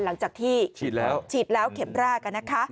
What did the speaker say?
หลังจากที่ฉีดแล้วเข็มแรก